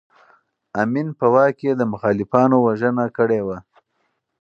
امین په واک کې د مخالفانو وژنه کړې وه.